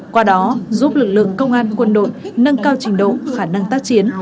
qua đó giúp lực lượng công an quân đội nâng cao trình độ khả năng tác chiến